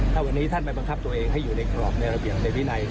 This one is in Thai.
ถ้าวันนี้ท่านไปบังคับตัวเองให้อยู่ในกรอบในระเบียบในวินัย